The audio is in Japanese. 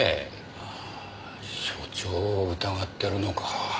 ああ所長を疑ってるのか。